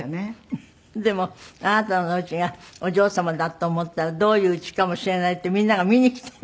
でもあなたのおうちがお嬢様だと思ったらどういううちかもしれないってみんなが見に来て？